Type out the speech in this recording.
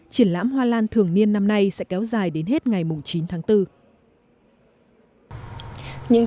triển lãm hoa lan thường niên năm nay sẽ kéo dài đến hết ngày chín tháng bốn